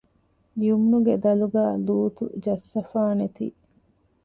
ޔުމްނުގެ ދަލުގައި ލޫޠު ޖައްސަފާނެތީ